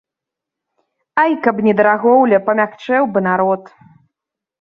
Ай, каб не дарагоўля — памякчэў ба народ.